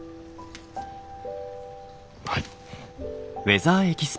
はい。